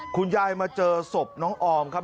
คุณยายมาเจอศพน้องออมครับ